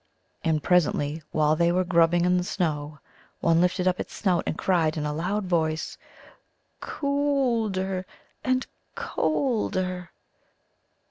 And presently, while they were grubbing in the snow, one lifted up its snout and cried in a loud voice: "Co older and colder!"